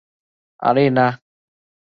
আরে, না!